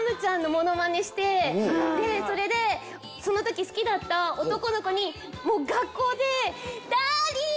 でそれでその時好きだった男の子に学校で「ダーリン！